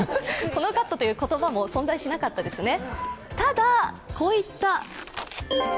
殿カットという言葉も存在しなかったですね。